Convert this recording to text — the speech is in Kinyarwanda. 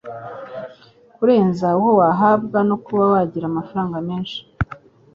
kurenza uwo wahabwa no kuba wagira amafaranga menshi,